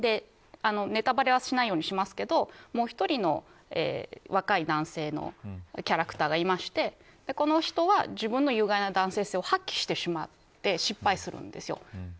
ネタバレはしないようにしますけどもう１人の若い男性のキャラクターがいましてこの人は自分の有害な男性性を破棄してしまって失敗するんです。